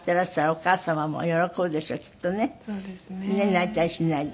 泣いたりしないで。